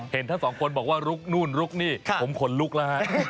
เห็นถ้าสองคนบอกว่ารุกนู่นรุกนี่ผมขนรุกละ